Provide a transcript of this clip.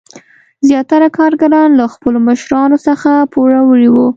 زیاتره کارګران له خپلو کارمشرانو څخه پوروړي وو.